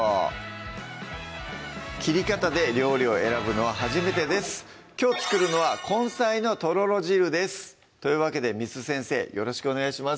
切り方で料理を選ぶのは初めてですきょう作るのは「根菜のとろろ汁」ですというわけで簾先生よろしくお願いします